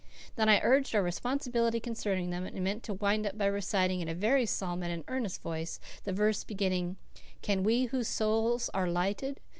Then I urged our responsibility concerning them, and meant to wind up by reciting, in a very solemn and earnest voice, the verse beginning, "Can we whose souls are lighted."